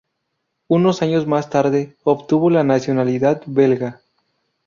Unos años más tarde obtuvo la nacionalidad belga.